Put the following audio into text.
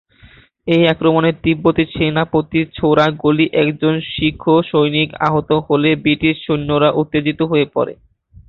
এই আক্রমণে তিব্বতী সেনাপতির ছোড়া গুলিতে একজন শিখ সৈনিক আহত হলে ব্রিটিশ সৈন্যরা উত্তেজিত হয়ে পড়ে।